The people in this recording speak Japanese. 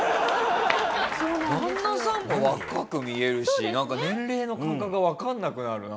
旦那さんも若く見えるしなんか年齢の感覚がわかんなくなるな。